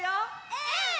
うん！